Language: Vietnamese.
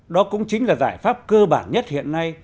đó cũng chính là giải pháp cơ bản nhất hiện nay